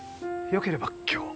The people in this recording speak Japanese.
よければ今日。